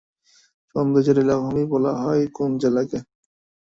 সৌন্দর্যের লীলাভূমি বলা হয় কোন জেলাকে?